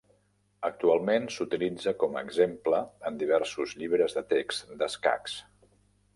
Actualment s'utilitza com a exemple en diversos llibres de text d'escacs.